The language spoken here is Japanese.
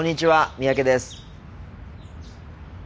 三宅です。